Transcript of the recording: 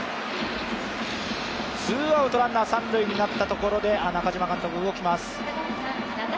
ツーアウトランナー三塁になったところで中嶋監督が動きます。